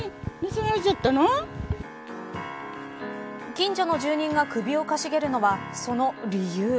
近所の住人が首をかしげるのはその理由。